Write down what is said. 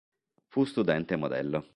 Fu studente modello.